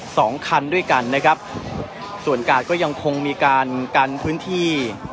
สองคันด้วยกันนะครับส่วนกาดก็ยังคงมีการกันพื้นที่